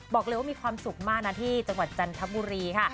บอกเลยว่ามีความสุขมากที่จังหวัดจันทบุรีค่ะ